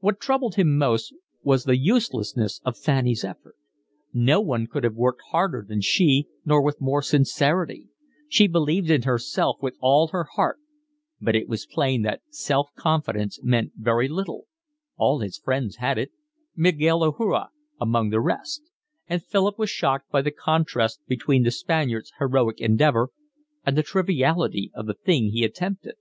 What troubled him most was the uselessness of Fanny's effort. No one could have worked harder than she, nor with more sincerity; she believed in herself with all her heart; but it was plain that self confidence meant very little, all his friends had it, Miguel Ajuria among the rest; and Philip was shocked by the contrast between the Spaniard's heroic endeavour and the triviality of the thing he attempted.